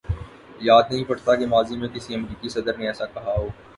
یاد نہیں پڑتا کہ ماضی میں کسی امریکی صدر نے ایسا کہا ہو۔